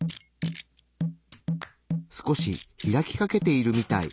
少し開きかけているみたい。